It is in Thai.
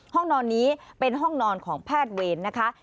ห้องนอนนี้เป็นห้องนอนของแพทย์เวรนะคะ